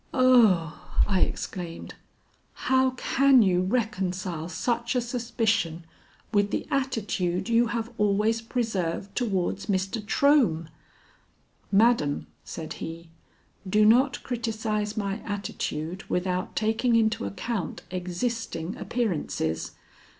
"Oh!" I exclaimed, "how can you reconcile such a suspicion with the attitude you have always preserved towards Mr. Trohm?" "Madam," said he, "do not criticise my attitude without taking into account existing appearances.